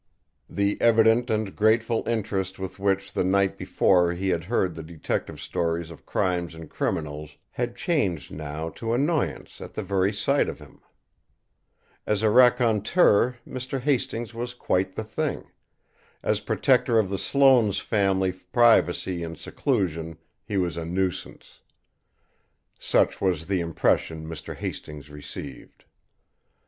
The evident and grateful interest with which the night before he had heard the detective's stories of crimes and criminals had changed now to annoyance at the very sight of him. As a raconteur, Mr. Hastings was quite the thing; as protector of the Sloane family's privacy and seclusion, he was a nuisance. Such was the impression Mr. Hastings received.